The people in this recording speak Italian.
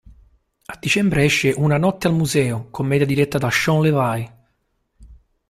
A dicembre esce "Una notte al museo", commedia diretta da Shawn Levy.